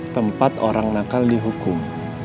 tempat orang nakal dihukum